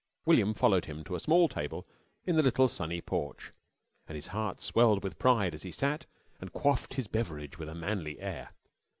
William followed him to a small table in the little sunny porch, and his heart swelled with pride as he sat and quaffed his beverage with a manly air.